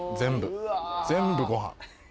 全部ご飯。